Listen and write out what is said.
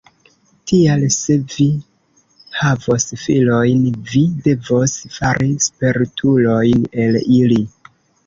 Tial, se vi havos filojn vi devos fari spertulojn el ili.